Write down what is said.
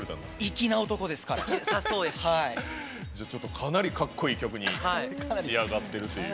かなりかっこいい曲に仕上がっていると。